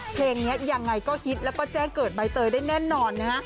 เพลงนี้ยังไงก็ฮิตแล้วก็แจ้งเกิดใบเตยได้แน่นอนนะฮะ